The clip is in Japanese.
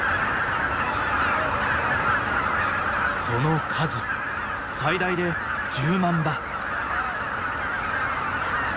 その数最大で１０万羽。